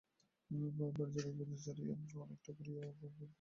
বাড়ি যাইবার সহজ পথ ছাড়িয়া সে অনেকটা ঘুরিয়া গঙ্গার ধারের রাস্তা ধরিল।